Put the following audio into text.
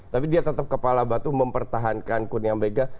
tapi dia tetap kepala batu mempertahankan kurnia mega